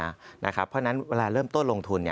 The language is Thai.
เพราะฉะนั้นเวลาเริ่มต้นลงทุน